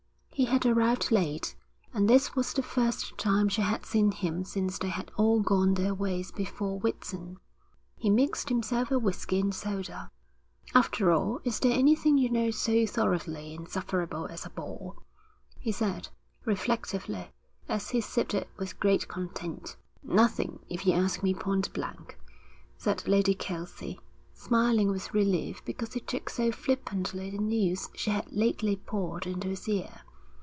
He had arrived late, and this was the first time she had seen him since they had all gone their ways before Whitsun. He mixed himself a whisky and soda. 'After all, is there anything you know so thoroughly insufferable as a ball?' he said, reflectively, as he sipped it with great content. 'Nothing, if you ask me pointblank,' said Lady Kelsey, smiling with relief because he took so flippantly the news she had lately poured into his ear.